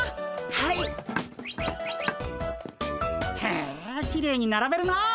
へえきれいにならべるなあ。